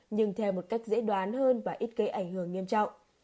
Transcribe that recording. nhưng theo một cách dễ đoán hơn và ít gây ảnh hưởng nghiêm trọng